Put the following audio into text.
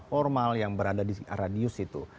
formal yang berada di radius itu